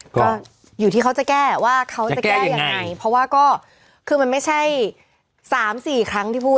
ก็อยู่ที่เขาจะแก้ว่าเขาจะแก้ยังไงเพราะว่าก็คือมันไม่ใช่๓๔ครั้งที่พูด